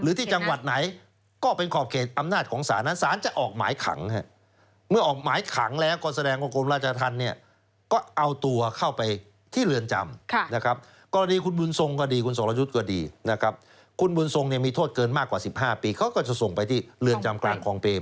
หรือที่จังหวัดไหนก็เป็นขอบเขตอำนาจของสารนั้นสารจะออกหมายขังเมื่อออกหมายขังแล้วก็แสดงวงกลมราชธรรมเนี่ยก็เอาตัวเข้าไปที่เรือนจำ